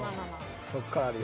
こっからあるよ。